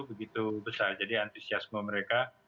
begitu besar jadi antusiasme mereka